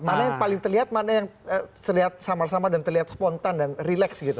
mana yang paling terlihat mana yang terlihat samar samar dan terlihat spontan dan relax gitu